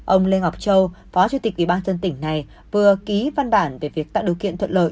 ông lê ngọc châu phó chủ tịch ủy ban dân tỉnh này vừa ký văn bản về việc tạo điều kiện thuận lợi